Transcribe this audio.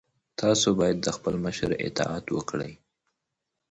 تاسو باید د خپل مشر اطاعت وکړئ.